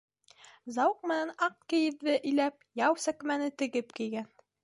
Зауыҡ менән аҡ кейеҙҙе иләп, яу сәкмәне тегеп кейгән.